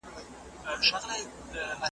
زه به سبا ته فکر کوم،